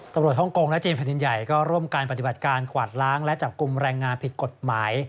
ฮ่องกงและจีนแผ่นดินใหญ่ก็ร่วมการปฏิบัติการกวาดล้างและจับกลุ่มแรงงานผิดกฎหมาย